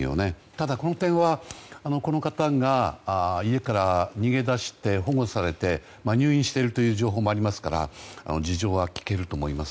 ただ、この点はこの方が家から逃げ出して保護されて入院しているという情報もありますから事情は聴けると思います。